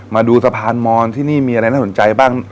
มาดูสะพานมอนที่นี่มีอะไรน่าสนใจบ้าง